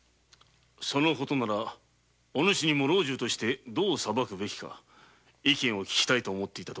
その事おぬしにも老中としてどう裁くべきか意見を聞きたいと思っていた。